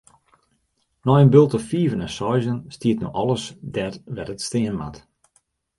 Nei in bulte fiven en seizen stiet no alles dêr wêr't it stean moat.